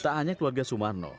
tak hanya keluarga sumarno